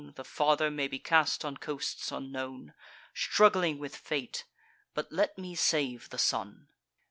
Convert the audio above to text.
The father may be cast on coasts unknown, Struggling with fate; but let me save the son.